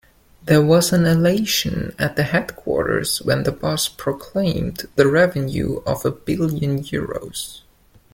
There was elation at the headquarters when the boss proclaimed the revenue of a billion euros.